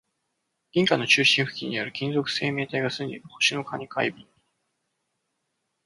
銀河の中心付近にある、金属生命体が住んでいる星の蟹か海老